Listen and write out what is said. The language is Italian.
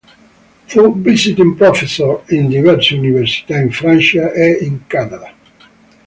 Fu "visiting professor" in diverse Università in Francia e in Canada.